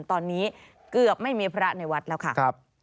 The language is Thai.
ตอนนี้เกือบไม่มีพระในวัดแล้วค่ะ